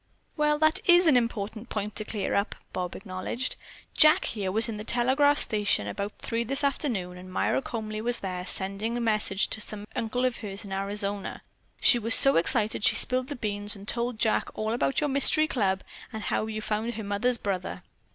"Well, that is an important point to clear up," Bob acknowledged. "Jack, here, was in the telegraph station about three this afternoon, and Myra Comely was there sending a message to some uncle of hers in Arizona. She was so excited, she spilled the beans, and told Jack all about your mystery club and how you found her mother's brother."